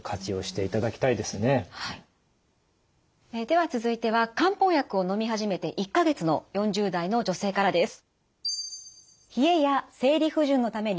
では続いては漢方薬をのみ始めて１か月の４０代の女性からです。